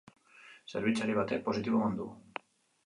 Zerbitzari batek positibo eman du.